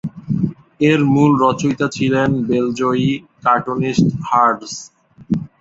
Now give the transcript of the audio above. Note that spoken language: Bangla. এর মূল রচয়িতা ছিলেন বেলজীয় কার্টুনিস্ট হার্জ।